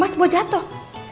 mas mau jatuh